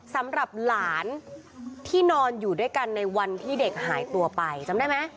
สำหรับหลานที่นอนอยู่ด้วยกันในวันที่เด็กหายตัวไปจำได้ไหม